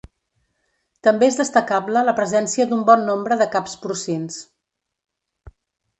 També és destacable la presència d'un bon nombre de caps porcins.